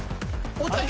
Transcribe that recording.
おたけ。